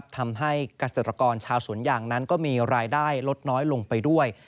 ทำให้เกษตรกรชาวสวนยางนั้นก็มีรายได้ลดน้อยลงไปด้วย